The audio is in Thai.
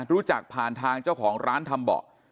รู้จักผ่านทางเจ้าของร้านทำเบาะ